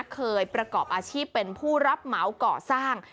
เคยประกอบอาชีพเป็นผู้รับเหมาก่อสร้าง